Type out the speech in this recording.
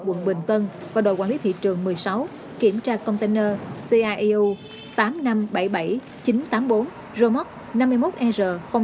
quận bình tân và đội quản lý thị trường một mươi sáu kiểm tra container caeu tám nghìn năm trăm bảy mươi bảy chín trăm tám mươi bốn romoc năm mươi một er chín nghìn hai trăm tám mươi năm